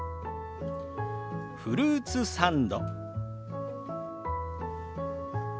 「フルーツサンド」。